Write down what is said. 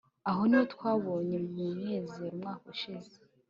aho niho twabonye munezero umwaka ushize